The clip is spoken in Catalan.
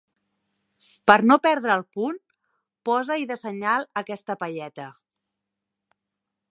Per no perdre el punt, posa-hi de senyal aquesta palleta.